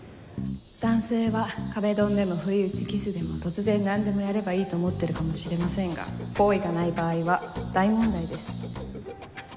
男性は壁ドンでも不意打ちキスでも突然なんでもやればいいと思ってるかもしれませんが好意がない場合は大問題です。